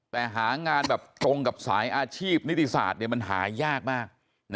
แต่หางานแบบตรงกับสายอาชีพนิติศาสตร์มันหายากมาก